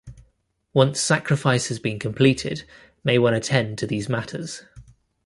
Once sacrifice has been completed, may one attend to these matters.